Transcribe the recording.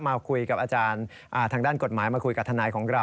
มาคุยกับอาจารย์ทางด้านกฎหมายมาคุยกับทนายของเรา